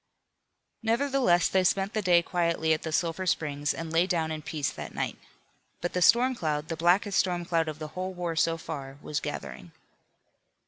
Nevertheless they spent the day quietly at the Sulphur Springs, and lay down in peace that night. But the storm cloud, the blackest storm cloud of the whole war so far, was gathering.